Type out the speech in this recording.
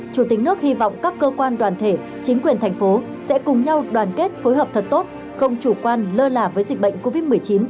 chủ tịch nước hy vọng các cơ quan đoàn thể chính quyền thành phố sẽ cùng nhau đoàn kết phối hợp thật tốt không chủ quan lơ là với dịch bệnh covid một mươi chín